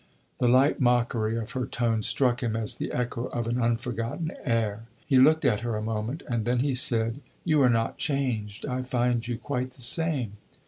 The light mockery of her tone struck him as the echo of an unforgotten air. He looked at her a moment, and then he said "You are not changed; I find you quite the same."